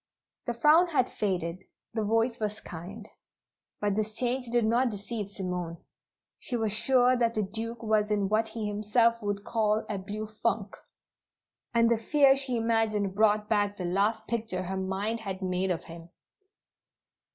The frown had faded; the voice was kind. But this change did not deceive Simone. She was sure that the Duke was in what he himself would call a "blue funk," and the fear she imagined brought back the last picture her mind had made of him.